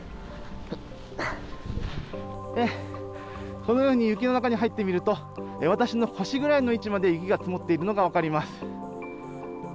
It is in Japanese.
このように雪の中に入ってみるとわたしの腰ぐらいの位置まで雪が積もっているのがわかります